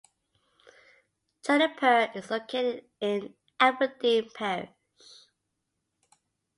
Juniper is located in Aberdeen Parish.